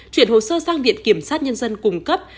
chuyển hồ sơ sang điện kiểm sát nhân dân cùng cấp